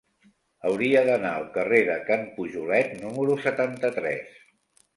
Hauria d'anar al carrer de Can Pujolet número setanta-tres.